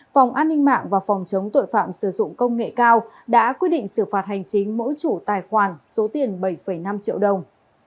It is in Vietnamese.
phòng an ninh mạng và phòng chống tội phạm sử dụng công nghệ cao đã quyết định xử phạt hành chính mỗi chủ tài khoản số tiền bảy năm triệu đồng